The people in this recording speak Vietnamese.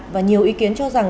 và nhiều ý kiến cho rằng